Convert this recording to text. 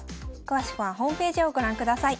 詳しくはホームページをご覧ください。